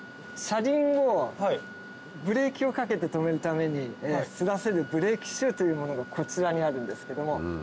車輪をブレーキをかけて止めるために擦らせるブレーキシューというものがこちらにあるんですけども。